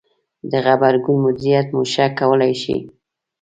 -د غبرګون مدیریت مو ښه کولای ش ئ